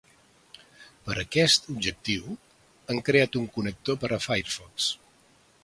Per a aquest objectiu han creat un connector per a Firefox.